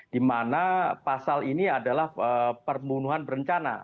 di mana pasal ini adalah pembunuhan berencana